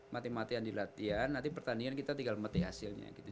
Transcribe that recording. mati matian di latihan nanti pertandingan kita tinggal mati hasilnya gitu